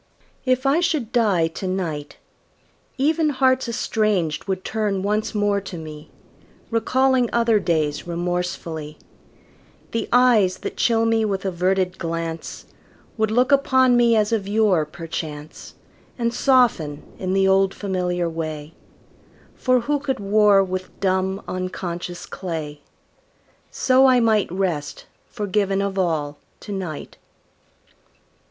If I should die to night, Even hearts estranged would turn once more to me, Recalling other days remorsefully; The eyes that chill me with averted glance Would look upon me as of yore, perchance, And soften, in the old familiar way; For who could war with dumb, unconscious clay? So I might rest, forgiven of all, to night.